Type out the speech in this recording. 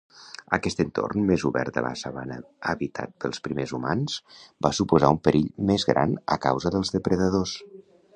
Aquest entorn més obert de la sabana habitat pels primers humans va suposar un perill més gran a causa dels depredadors.